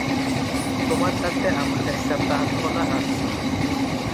তোমার কাছে আমার একটা প্রার্থনা আছে।